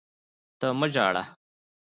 ته مه ژاړه!